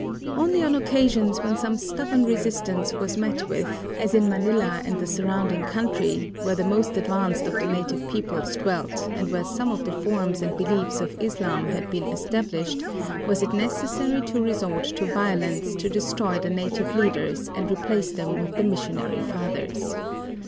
Only on occasions when some stubborn resistance was met with, as in Manila and the surrounding country, where the most advanced of the native peoples dwelt and where some of the forms and beliefs of Islam had been established, was it necessary to resort to violence to destroy the native leaders and replace them with the missionary fathers.